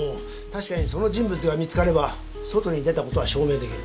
確かにその人物が見つかれば外に出たことは証明できる。